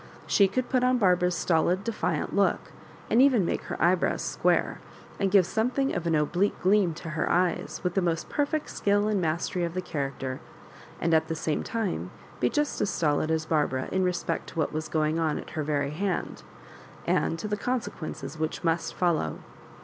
She could put on Barbara's stolid defiant look, and even make her eyebrows square, and g^ve some thing of an oblique gleam to her eyes, with the most perfect skill and mastery of the character, and at the same time be just as stolid as Barbara in respect to what was going on at her very hand, and to the consequences which must follow.